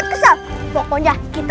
untuk bisa membalas paman badika